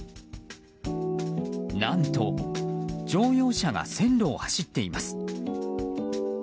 何と乗用車が線路を走っています。